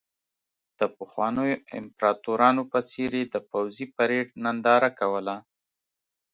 د پخوانیو امپراتورانو په څېر یې د پوځي پرېډ ننداره کوله.